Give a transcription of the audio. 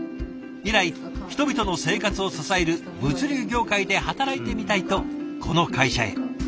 以来人々の生活を支える物流業界で働いてみたいとこの会社へ。